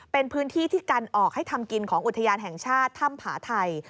เป็นพื้นที่ที่กันออกให้ทำกินของอุทยานแห่งชาติถ้ำผาไทย